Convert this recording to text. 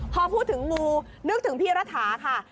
พอพูดถึงงูนึกถึงพี่รัฐาค่ะ